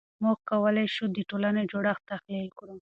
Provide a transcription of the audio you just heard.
موږ کولای شو د ټولنې جوړښت تحلیل کړو.